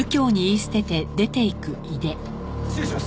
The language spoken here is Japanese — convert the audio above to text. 失礼します。